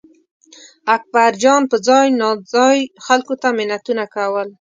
اکبرجان به ځای ناځای خلکو ته منتونه کول.